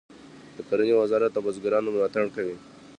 د کرنې وزارت له بزګرانو ملاتړ کوي